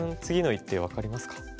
次の一手分かりますか？